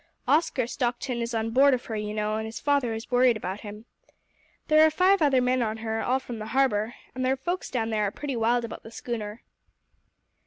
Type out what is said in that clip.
Oscar Stockton is on board of her, you know, and his father is worried about him. There are five other men on her, all from the Harbour, and their folks down there are pretty wild about the schooner."